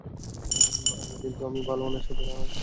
আরে, কিন্তু আমি বালওয়ানের সাথে রানাকে পাঠাই ছি তো।